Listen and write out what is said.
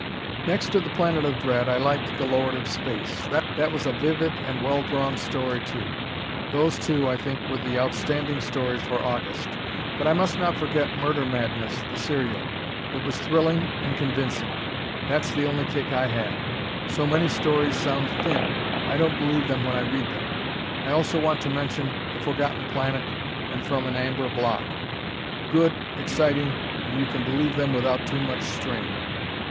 Next to "The Planet of Dread" I liked "The Lord of Space." That was a vivid and well drawn story, too. Those two, I think, were the outstanding stories for August. But I must not forget "Murder Madness," the serial; it was thrilling and convincing. That's the only kick I have: so many stories sound thin. I don't believe them when I read them. I also want to mention "The Forgotten Planet" and "From An Amber Block." Good, exciting, and you can believe them without too much strain.